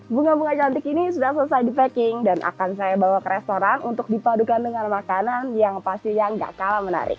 bunga bunga cantik ini sudah selesai di packing dan akan saya bawa ke restoran untuk dipadukan dengan makanan yang pastinya gak kalah menarik